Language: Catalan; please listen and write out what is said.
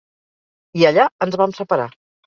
I allà ens vam separar.